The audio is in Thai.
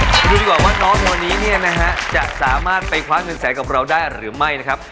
มาดูดีกว่าว่าน้องคนนี้เนี่ยนะฮะจะสามารถไปคว้าเงินแสนกับเราได้หรือไม่นะครับ